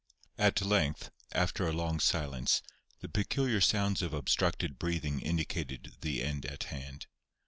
At length, after a long silence, the peculiar sounds of obstructed breathing indicated the end at hand.